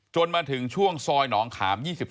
มาถึงช่วงซอยหนองขาม๒๓